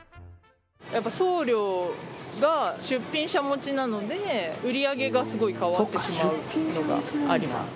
やっぱ送料が出品者持ちなので売り上げがすごい変わってしまうのがあります。